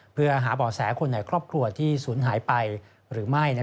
เพื่อหาบ่อแสคนในครอบครัวที่ศูนย์หายไปหรือไม่